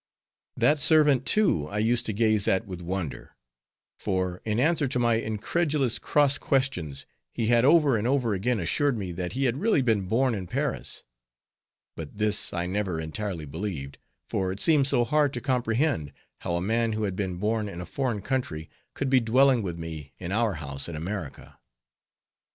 That servant, too, I used to gaze at with wonder; for in answer to my incredulous cross questions, he had over and over again assured me, that he had really been born in Paris. But this I never entirely believed; for it seemed so hard to comprehend, how a man who had been born in a foreign country, could be dwelling with me in our house in America.